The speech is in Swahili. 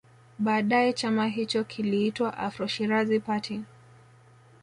Baadae chama hicho kiliitwa Afro Shirazi Party